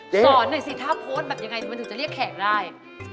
หน่อยสิถ้าโพสต์แบบยังไงมันถึงจะเรียกแขกได้